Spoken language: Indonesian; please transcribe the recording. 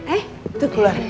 eh tuh keluar